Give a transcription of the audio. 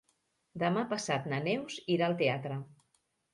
Demà passat na Neus irà al teatre.